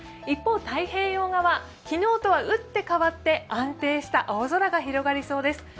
一方、太平洋側、昨日とは打って変わって安定した青空が広がりそうです。